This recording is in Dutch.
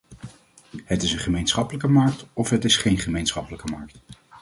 Het is een gemeenschappelijke markt of het is geen gemeenschappelijke markt.